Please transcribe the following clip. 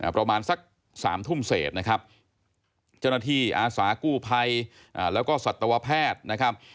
ประมาณสัก๓ทุ่มเศษนะครับเจ้าหน้าที่อาสากู้ภัยแล้วก็สัตวแพทย์นะครับ